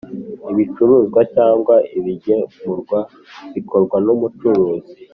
ibicuruzwa cyangwa ibigemurwa bikorwa n umucuruzi